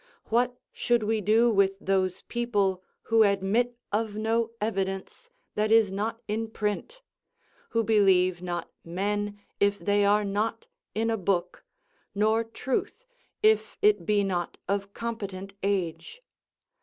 What should we do with those people who admit of no evidence that is not in print, who believe not men if they are not in a book, nor truth if it be not of competent age?